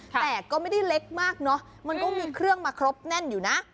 แต่ก็ไม่ได้เล็กมากเนอะมันก็มีเครื่องมาครบแน่นอยู่นะ